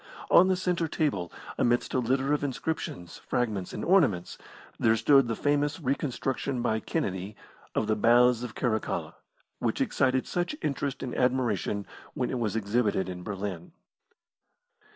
On the centre table, amidst a litter of inscriptions, fragments, and ornaments, there stood the famous reconstruction by Kennedy of the Baths of Caracalla, which excited such interest and admiration when it was exhibited in Berlin.